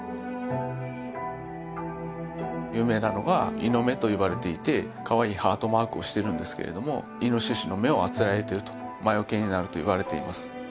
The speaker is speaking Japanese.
有名なのが猪目といわれていてかわいいハートマークをしてるんですけれどもイノシシの目をあつらえてると魔除けになるといわれています